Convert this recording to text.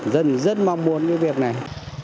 dân rất mong muốn cái việc này